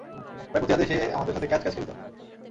প্রায় প্রতি রাতেই সে আমাদের সাথে ক্যাচ-ক্যাচ খেলতো।